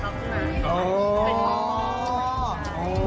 ก็เลยเกิดประชาช็อค